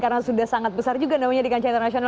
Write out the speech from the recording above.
karena sudah sangat besar juga namanya di kancah internasional